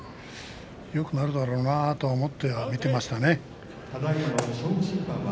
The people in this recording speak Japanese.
強くなるだろうなと思って見てはいましたね。